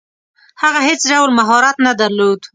هغه هیڅ ډول مهارت نه درلود.